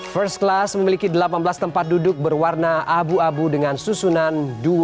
first class memiliki delapan belas tempat duduk berwarna abu abu dengan susunan dua